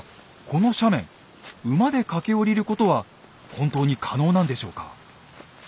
この斜面馬で駆け下りることは本当に可能なんでしょうか？